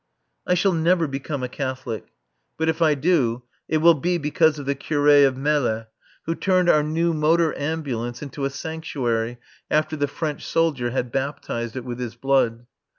I shall never become a Catholic. But if I do, it will be because of the Curé of Melle, who turned our new motor ambulance into a sanctuary after the French soldier had baptized it with his blood.